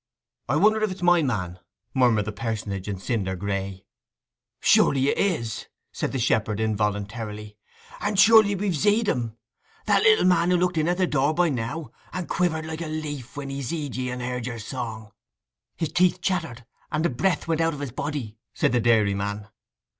'I wonder if it is my man?' murmured the personage in cinder gray. 'Surely it is!' said the shepherd involuntarily. 'And surely we've zeed him! That little man who looked in at the door by now, and quivered like a leaf when he zeed ye and heard your song!' 'His teeth chattered, and the breath went out of his body,' said the dairyman.